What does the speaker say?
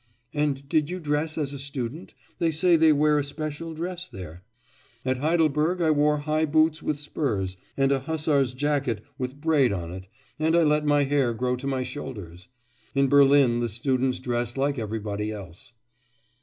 'And did you dress as a student? They say they wear a special dress there.' 'At Heidelberg I wore high boots with spurs, and a hussar's jacket with braid on it, and I let my hair grow to my shoulders. In Berlin the students dress like everybody else.